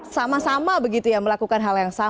sama sama begitu ya melakukan hal itu